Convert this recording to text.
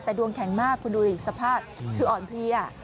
แต่ดวงแข็งมากคุณดูอีกสภาพคืออ่อนเพลีย